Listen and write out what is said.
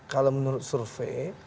kalau menurut survei